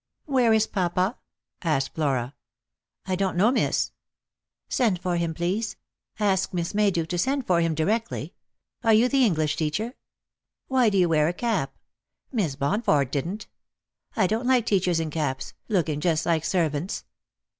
" Where is papa ?' asked Flora. " I don't know, miss." " Send for him, please. Ask Miss Mayduke to send for him directly. Are you the English teacher P Why do you wear a cap? Miss Bonford didn't. I don't like teachers in caps, looking just like servants."